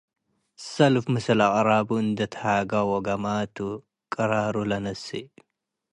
ሰልፍ ምስል አቅራቡ እንዴ ትሃገ ወገመ ቱ ቀራሩ ለነስእ ።